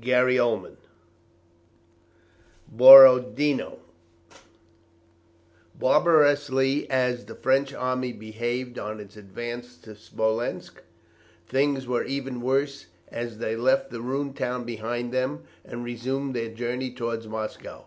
CHAPTER XII BORODINO Barbarously as the French army behaved on its advance to Smolensk, things were even worse as they left the ruined town behind them and resumed their journey towards Moscow.